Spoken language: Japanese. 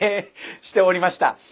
しておりました。